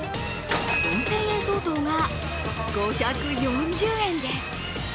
４０００円相当が５４０円です。